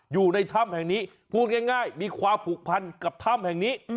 อยู่ในถ้ำแห่งนี้พูดง่ายมีความผูกพันกับถ้ำแห่งนี้